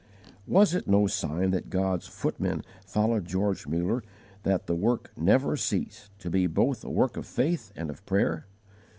_ Was it no sign that God's 'footmen' followed George Muller that the work never ceased to be both a work of faith and of prayer?